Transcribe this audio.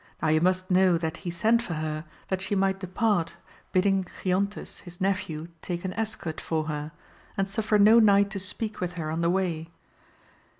Now you must know that he sent for her, that she might depart, bidding Giontes his nephew take an escort for her, and suffer no knight to speak with her on the way.